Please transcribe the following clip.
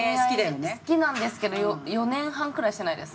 好きなんですけど４年半くらいしてないです。